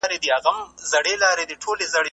زموږ د دین اصول د ټولنیز پيوستون لپاره اړتیا لري.